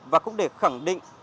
và cũng để khẳng định